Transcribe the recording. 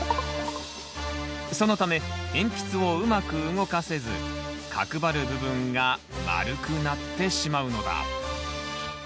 そのため鉛筆をうまく動かせず角張る部分が丸くなってしまうのだ。